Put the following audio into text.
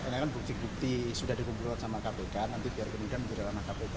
karena kan bukti bukti sudah dikumpul sama kpk nanti biar kemudian menjadi ranah kpk